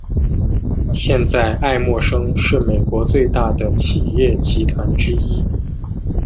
现在艾默生是美国最大的企业集团之一。